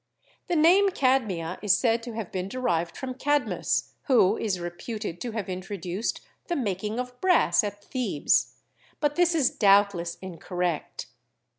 The name 'cadmia' is said to have been derived from Cadmus, who is reputed to have introduced the making of brass at Thebes, but this is doubtless incor rect.